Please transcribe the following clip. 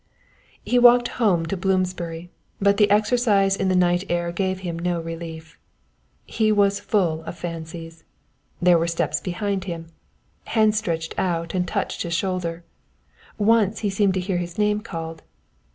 He walked home to Bloomsbury, but the exercise in the night air gave him no relief. He was full of fancies there were steps behind him hands stretched out and touched his shoulder. Once he seemed to hear his name called.